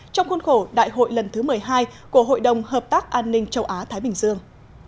trong khuôn khổ đại hội lần thứ một mươi hai của hội đồng hợp tác an ninh châu á thái bình dương